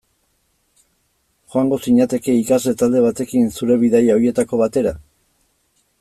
Joango zinateke ikasle talde batekin zure bidaia horietako batera?